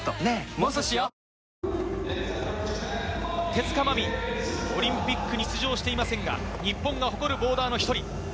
手塚まみ、オリンピックには出場していませんが、日本が誇るボーダーの１人。